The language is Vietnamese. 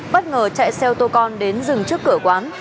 bất ngờ chạy xe ô tô con đến dừng trước cửa quán